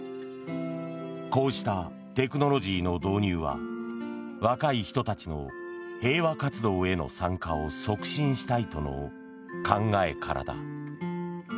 こうしたテクノロジーの導入は若い人たちの平和活動への参加を促進したいとの考えからだ。